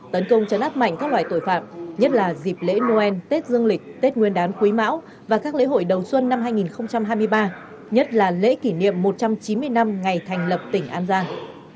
tấn công chấn áp mạnh các loại tội phạm nhất là dịp lễ noel tết dương lịch tết nguyên đán quý mão và các lễ hội đầu xuân năm hai nghìn hai mươi ba nhất là lễ kỷ niệm một trăm chín mươi năm ngày thành lập tỉnh an giang